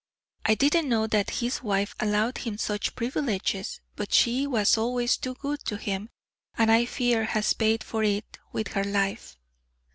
I didn't know that his wife allowed him such privileges; but she was always too good to him, and I fear has paid for it with her life."